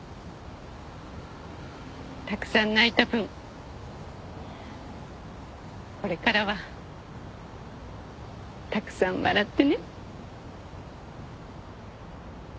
たくさん泣いた分これからはたくさん笑ってね。